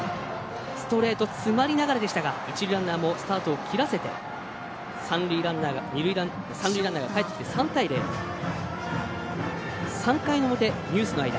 ストレート、詰まりながら一塁ランナーもスタート切らせて三塁ランナーがかえってきて３対０。３回の表、ニュースの間。